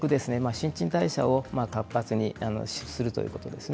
新陳代謝を活発にするということです。